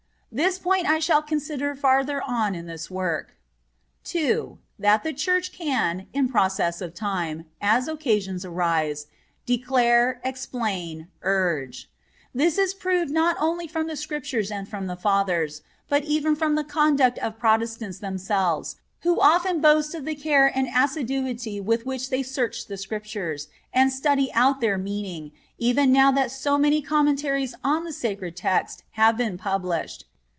This point I shall consider farther on in this work. 2. That the Church can, in process of time, as occasions arise, declare, explain, urge. This is proved not only from the Scriptures and the Fathers, but even from the conduct of Protestants themselves, who often boast of the care and assiduity with which they "search the Scriptures," and study out their meaning, even now that so many Commentaries on the sacred Text have been published.